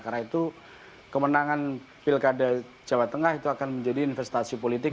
karena itu kemenangan pilkada jawa tengah itu akan menjadi investasi politik